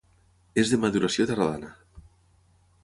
És de maduració tardana.